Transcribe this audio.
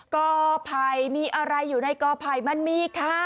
กอภัยมีอะไรอยู่ในกอภัยมันมีค่ะ